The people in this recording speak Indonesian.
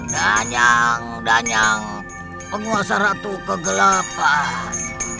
danyang danyang penguasa ratu kegelapan